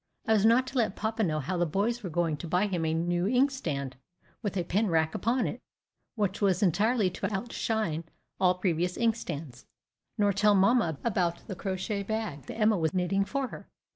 I was not to let papa know how the boys were going to buy him a new inkstand, with a pen rack upon it, which was entirely to outshine all previous inkstands; nor tell mamma about the crochet bag that Emma was knitting for her.